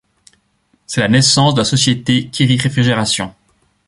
C'est la naissance de la société Quiri Réfrigération.